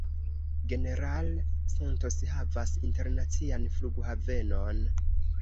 General Santos havas internacian flughavenon.